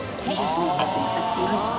・お待たせいたしました。